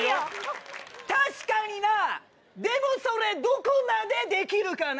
確かになでもそれどこまでできるかな？